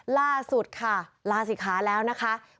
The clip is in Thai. ล่าสุดค่ะลาสิคะแล้วนะครับ